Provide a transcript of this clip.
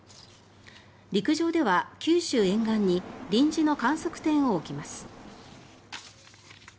陸上では九州沿岸に臨時の観測点を置きます。